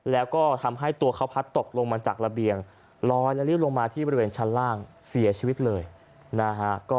แล้วก็ทำให้ตัวเขาพัดตกลงมาจากระเบียงลอยและริ้วลงมาที่บริเวณชั้นล่างเสียชีวิตเลยนะฮะ